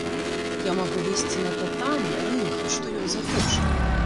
Я магу выйсці на татамі, рынг, што ён захоча!